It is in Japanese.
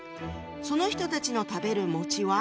その人たちの食べるは？